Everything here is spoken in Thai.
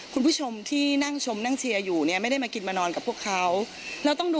คุณผู้ชมทั้งบ้านไม่ได้เห็นแต่พวกเราเห็น